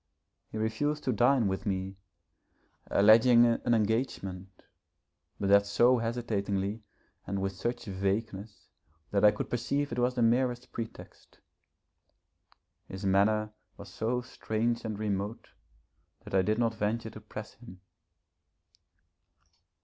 He refused to dine with me, alleging an engagement, but that so hesitatingly and with such vagueness that I could perceive it was the merest pretext. His manner was so strange and remote that I did not venture to press him.